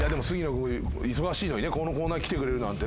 君忙しいのにねこのコーナー来てくれるなんて。